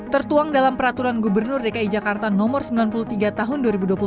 tertuang dalam peraturan gubernur dki jakarta nomor sembilan puluh tiga tahun dua ribu dua puluh satu